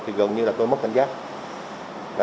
thì gần như là tôi mất cảnh giác